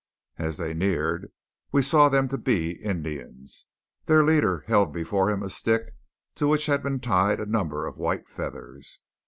As they neared we saw them to be Indians. Their leader held before him a stick to which had been tied a number of white feathers.